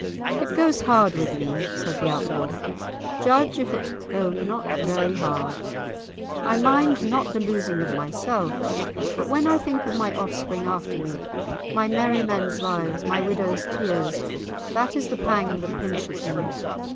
"It goes hard with me," said the Outlaw; "judge if it go not very hard. I mind not the losing of myself, but when I think of my offspring after me, my merry men's lives, my widow's tears, that is the pang that pinches me.